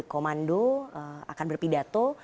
mobil komando akan berpidato